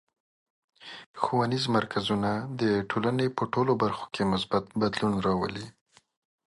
ښوونیز مرکزونه د ټولنې په ټولو برخو کې مثبت بدلون راولي.